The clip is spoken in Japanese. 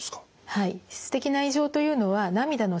はい。